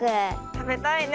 たべたいね。